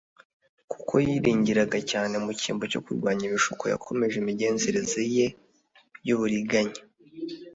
Kuko yiyiringiraga cyane mu cyimbo cyo kurwanya ibishuko, yakomeje imigenzereze ye y'uburinnganya.